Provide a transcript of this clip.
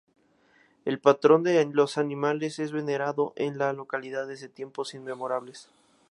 El patrón de los animales es venerado en la localidad desde tiempos inmemoriales.